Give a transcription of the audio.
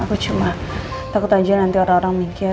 aku cuma takut aja nanti orang orang mikir